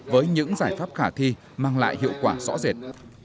với những giải pháp khả thi mang lại hiệu quả rõ rệt